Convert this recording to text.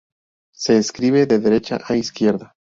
Se escribe de derecha a izquierda.